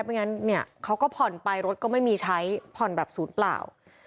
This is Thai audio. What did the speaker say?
เพราะงั้นเขาก็ผ่อนไปรถก็ไม่มีใช้ผ่อนแบบศูนย์เปล่า